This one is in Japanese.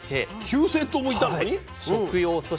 ９，０００頭もいたのに⁉はい。